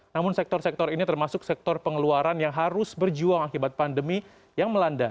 namun sektor sektor ini termasuk sektor pengeluaran yang harus berjuang akibat pandemi yang melanda